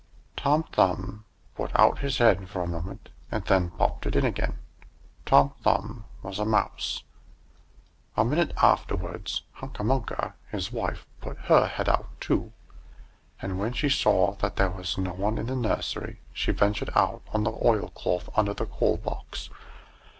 Tom Thumb put out his head for a moment, and then popped it in again. Tom Thumb was a mouse. A minute afterwards, Hunca Munca, his wife, put her head out, too; and when she saw that there was no one in the nursery, she ventured out on the oilcloth under the coal box.